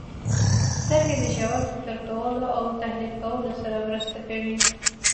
• سترګې د ژور فکر کولو او تحلیل کولو سره مرسته کوي.